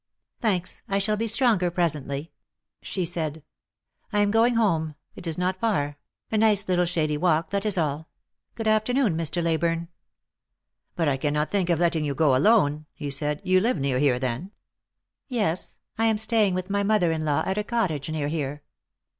" Thanks, I shall be stronger presently," she said ;" I am going home. It is not far ; a nice little shady walk, that is all. Good afternoon, Mr. Leyburne." Lost for Love. 325 " But I cannot think of letting you go alone," he said. " You live near here, then? "" Yes ; I am staying with my mother in law at a cottage near here."